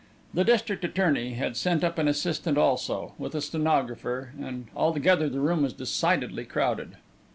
The district attorney had sent up an assistant, also with a stenographer, and altogether the room was decidedly crowded.